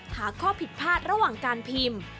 หาข้อผิดพลาดระหว่างการพิมพ์